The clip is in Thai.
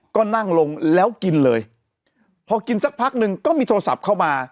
ก็นั่งลงแล้วกินเลยพอกินสักพักหนึ่งก็มีโทรศัพท์เข้ามา